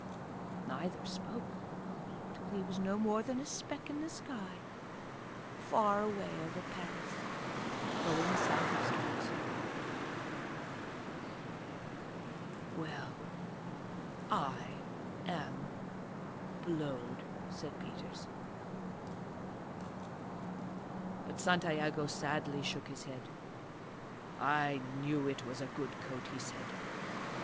Neither spoke till he was no more than a speck in the sky far away over Paris going South Eastwards. "Well I am blowed," said Peters. But Santiago sadly shook his head. "I knew it was a good coat," he said.